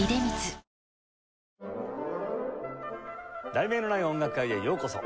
『題名のない音楽会』へようこそ。